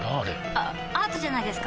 あアートじゃないですか？